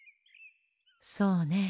そうねえ。